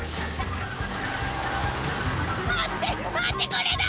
待って待ってくれだ！